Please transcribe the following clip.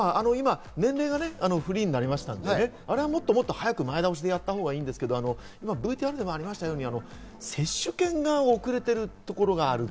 今、年齢がフリーになりましたので、あれをもっと早く前倒しでやったほうがいいんですが、ＶＴＲにもありましたように、接種券が遅れているところがある。